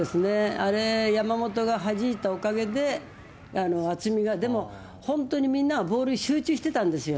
あれ、山本がはじいたおかげで、渥美がでも、本当にみんながボールに集中してたんですよ。